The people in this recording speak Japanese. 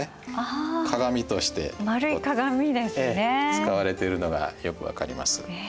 使われてるのがよく分かります。